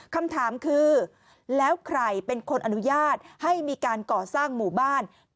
คำถามคือแล้วใครเป็นคนอนุญาตให้มีการก่อสร้างหมู่บ้าน